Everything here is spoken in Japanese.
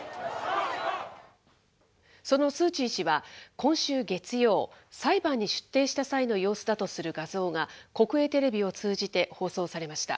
そのスー・チー氏は今週月曜、裁判に出廷した際の様子だとする画像が、国営テレビを通じて放送されました。